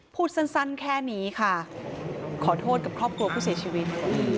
พูดสั้นแค่นี้ค่ะขอโทษกับครอบครัวผู้เสียชีวิต